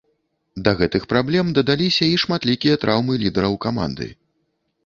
Да гэтых праблем дадаліся і шматлікія траўмы лідараў каманды.